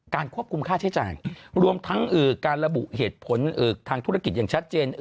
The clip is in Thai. ควบคุมค่าใช้จ่ายรวมทั้งการระบุเหตุผลทางธุรกิจอย่างชัดเจน